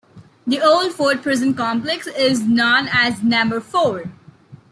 The Old Fort Prison complex is known as Number Four.